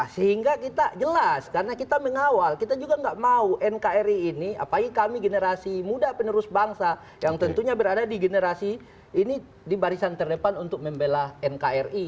sehingga kita jelas karena kita mengawal kita juga nggak mau nkri ini apalagi kami generasi muda penerus bangsa yang tentunya berada di generasi ini di barisan terdepan untuk membela nkri